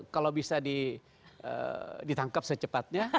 kalau bisa ditangkap secepatnya